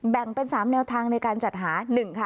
แบ่งเป็น๓แนวทางในการจัดหา๑ค่ะ